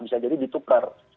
bisa jadi ditukar